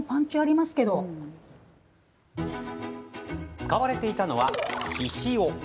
使われていたのは、ひしお。